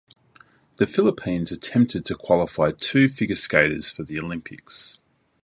The Philippines attempted to qualify two figure skaters for the Olympics.